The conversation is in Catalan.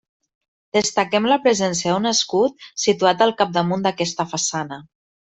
Destaquem la presència d'un escut situat al capdamunt d'aquesta façana.